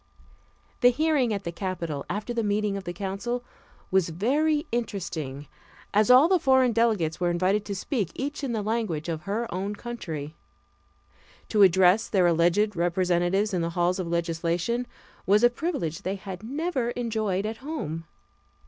The hearing at the Capitol, after the meeting of the council, was very interesting, as all the foreign delegates were invited to speak each in the language of her own country; to address their alleged representatives in the halls of legislation was a privilege they had never enjoyed at home.